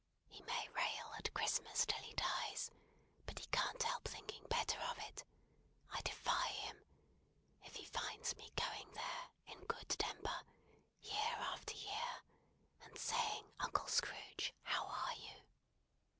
He may rail at Christmas till he dies, but he can't help thinking better of it I defy him if he finds me going there, in good temper, year after year, and saying Uncle Scrooge, how are you?